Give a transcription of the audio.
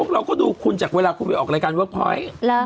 พวกเราก็ดูคุณจักรเวลาออกด้วย